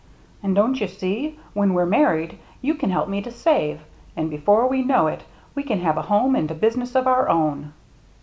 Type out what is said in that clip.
And don't you see, when we're married you can help me to save, and before we know it we can have a home and a business of our own."